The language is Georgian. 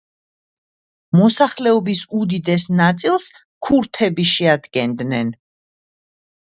მოსახლეობის უდიდეს ნაწილს ქურთები შეადგენენ.